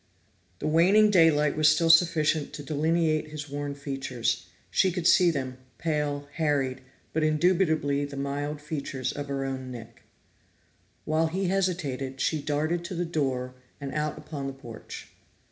The waning daylight was still sufficient to delineate his worn features; she could see them, pale, harried, but indubitably the mild features of her own Nick. While he hesitated, she darted to the door and out upon the porch.